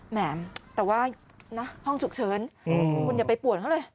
แหมแต่ว่านะห้องฉุกเฉินคุณอย่าไปป่วนเขาเลย